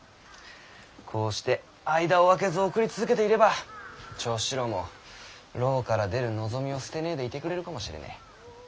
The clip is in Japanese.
こうして間を空けず送り続けていれば長七郎も牢から出る望みを捨てねぇでいてくれるかもしれねぇ。